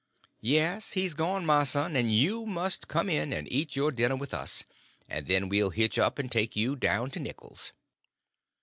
"Yes, he's gone, my son, and you must come in and eat your dinner with us; and then we'll hitch up and take you down to Nichols's."